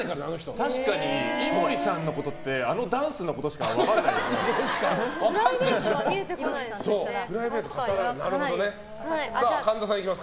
確かに井森さんのことってあのダンスのことしか神田さんいきますか。